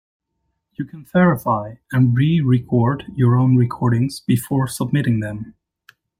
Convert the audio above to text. You can verify and re-record your own recordings before submitting them.